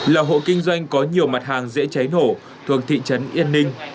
là hộ kinh doanh có nhiều mặt hàng dễ cháy nổ thuộc thị trấn yên ninh